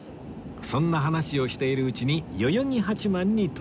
そんな話をしているうちに代々木八幡に到着です